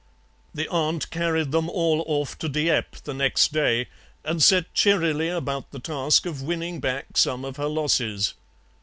"The aunt carried them all off to Dieppe the next day and set cheerily about the task of winning back some of her losses.